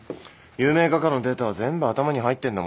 有名画家のデータは全部頭に入ってんだもんなぁ。